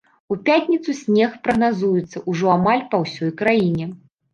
У пятніцу снег прагназуецца ўжо амаль па ўсёй краіне.